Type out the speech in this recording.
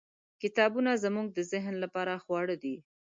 . کتابونه زموږ د ذهن لپاره خواړه دي.